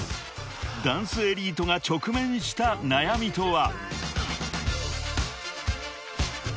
［ダンスエリートが直面した悩みとは］